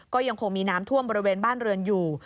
ก็ยังคงมีน้ำท่วมบริเวณบ้านเรือนอยู่